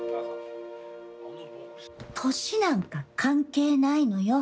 歳なんか関係ないのよ。